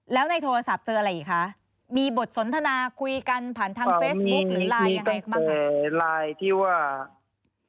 แล้วในโทรศัพท์เจออะไรอีกคะมีบทสนทนาคุยกันผ่านทางเฟซบุ๊คหรือไลน์ยังไงบ้างคะ